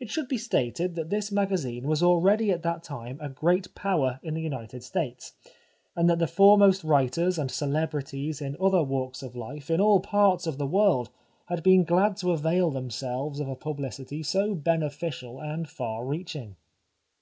It should be stated that this magazine was already at that time a great power in the United States, and that the foremost writers and celebrities in other walks of hfe in all parts of the world had been glad to avail themselves of a pubhcity so beneficial and far reaching.